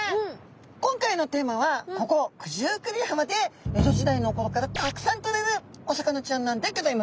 今回のテーマはここ九十九里浜で江戸時代のころからたくさんとれるお魚ちゃんなんでギョざいますよ。